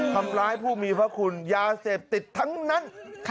ทำร้ายผู้มีพระคุณยาเสพติดทั้งนั้น